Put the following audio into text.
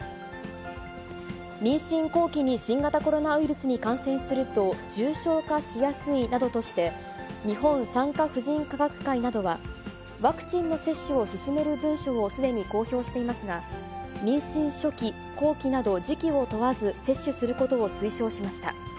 妊娠後期に新型コロナウイルスに感染すると、重症化しやすいなどとして、日本産科婦人科学会などは、ワクチンの接種を勧める文書をすでに公表していますが、妊娠初期、後期など、時期を問わず、接種することを推奨しました。